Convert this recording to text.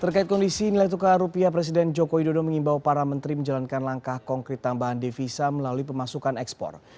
terkait kondisi nilai tukar rupiah presiden jokowi dodo mengimbau para menteri menjalankan langkah konkret tambahan devisa melalui pemasukan ekspor